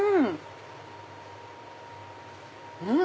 うん！